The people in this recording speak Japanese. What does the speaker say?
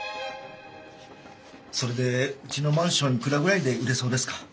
それでうちのマンションいくらぐらいで売れそうですか？